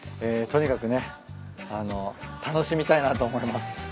とにかくね楽しみたいなと思います。